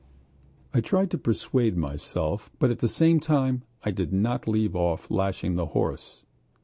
I tried to persuade myself, but at the same time I did not leave off lashing the horse.